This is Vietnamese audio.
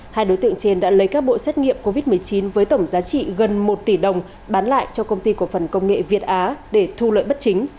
hai đối tượng trên đã lấy các bộ xét nghiệm covid một mươi chín với tổng giá trị gần một tỷ đồng bán lại cho công ty cổ phần công nghệ việt á để thu lợi bất chính